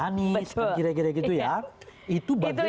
apalagi kemudian pak jokowi yang di luar perhitungan